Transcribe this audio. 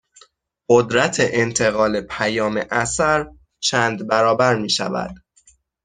قدرت انتقال پیام اثر چند برابر می شود